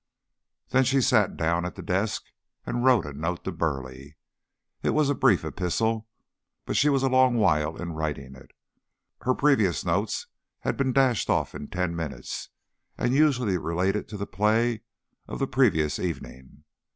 Then she sat down at the desk and wrote a note to Burleigh. It was a brief epistle, but she was a long while writing it. Her previous notes had been dashed off in ten minutes, and usually related to the play of the previous evening.